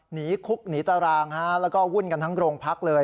หนีคุกหนีตารางแล้วก็วุ่นกันทั้งโรงพักเลย